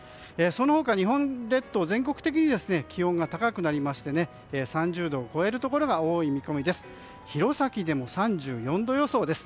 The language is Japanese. その他、日本列島全国的に気温が高くなりまして３０度を超えるところが多い見込みです。